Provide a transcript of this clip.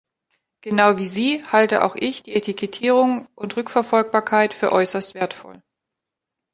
Genau wie Sie halte auch ich die Etikettierung und Rückverfolgbarkeit für äußerst wertvoll.